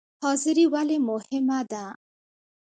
حاضري ولې مهمه ده؟